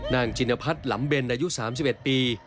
นางจิณภัทรลำเบนอายุ๓๑ปี